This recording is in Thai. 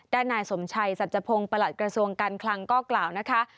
นายสมชัยสัจพงศ์ประหลัดกระทรวงการคลังก็กล่าวนะคะ